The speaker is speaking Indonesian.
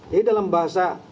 jadi dalam bahasa